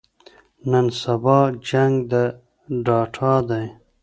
نن سبا جنګ د ډاټا دی.